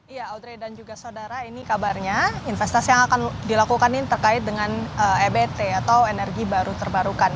iya audre dan juga saudara ini kabarnya investasi yang akan dilakukan ini terkait dengan ebt atau energi baru terbarukan